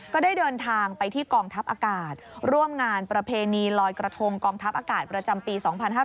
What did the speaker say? ก็ได้เดินทางไปที่กองทัพอากาศร่วมงานประเพณีลอยกระทงกองทัพอากาศประจำปี๒๕๕๙